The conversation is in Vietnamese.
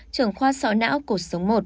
trưởng khoa sọ não cột sống một